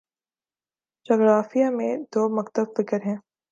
جغرافیہ میں دو مکتب فکر ہیں